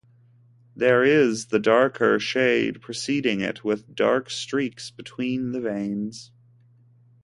There is the darker shade preceding it with dark streaks between the veins.